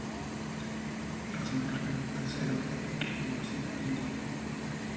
Razón por la que no pueden ser objeto de conocimiento científico.